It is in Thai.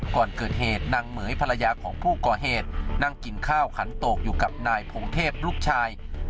ก่อนเกิดเหตุนางเหม๋ยภรรยาของผู้ก่อเหตุนั่งกินข้าวขันโตกอยู่กับนายพงเทพลูกชาย